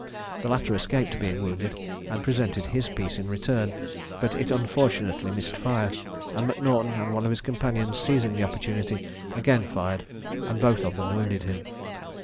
The latter escaped being wounded, and presented his piece in return, but it unfortunately missed fire, and M'Naughton and one of his companions seizing the opportunity, again fired, and both of them wounded him.